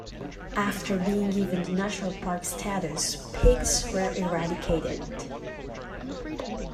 After being given the Natural Park status, pigs were eradicated.